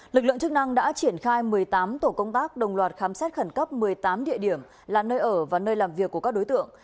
lực lượng chức năng đã triển khai một mươi tám tổ công tác đồng loạt khám xét khẩn cấp một mươi tám địa điểm là nơi ở và nơi làm việc của các đối tượng